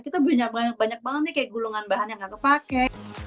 kita punya banyak banget nih kayak gulungan bahan yang nggak kepake